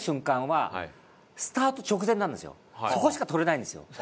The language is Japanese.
そこしか撮れないんですよ。